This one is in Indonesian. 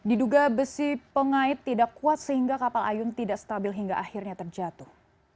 diduga besi pengait tidak kuat sehingga kapal ayun tidak stabil hingga akhirnya terjatuh